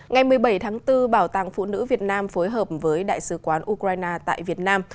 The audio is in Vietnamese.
ngày một mươi bảy tháng bốn bảo tàng phụ nữ việt nam phối hợp với đại sứ quán ukraine tại việt nam